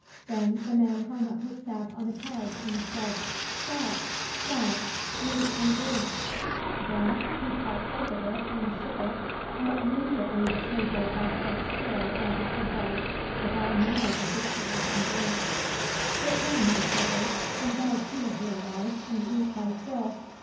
Then the man hung up his sack on a peg and said, " Sack, sack, meat and drink !" Then he caught 40 " OUT OF THE DRUM, MY HENCHMEN !" 40 THE STORY OF THE WIND hold of it and shook it, and immediately the table was as full as it could hold with all manner of victuals and drink. " Sit down, my children, and thou too, dear wife, and eat thy fill.